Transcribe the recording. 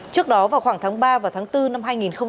trước đó vào khoảng tháng ba và tháng bốn năm hai nghìn hai mươi